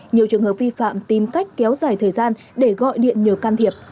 nhiều trường hợp vi phạm tìm cách kéo dài thời gian để gọi điện nhờ can thiệp